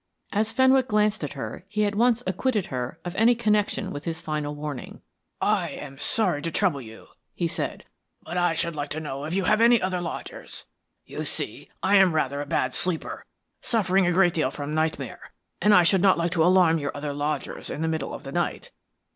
As Fenwick glanced at her, he at once acquitted her of any connection with his final warning. "I am sorry to trouble you," he said, "but I should like to know if you have any other lodgers. You see, I am rather a bad sleeper, suffering a great deal from nightmare, and I should not like to alarm your other lodgers in the middle of the night."